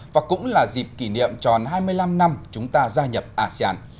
và cũng là dịp kỷ niệm tròn hai mươi năm năm chúng ta gia nhập asean